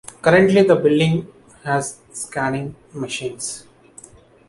Currently, the building has scanning machines.